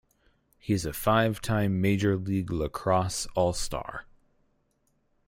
He is a five-time Major League Lacrosse All-Star.